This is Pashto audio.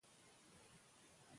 افراط به مخنیوی شي.